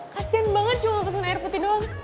kasian banget cuma pesen air putih doang